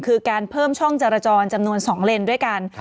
คือการเพิ่มช่องจรจรจำนวน๒เลนด้วยกัน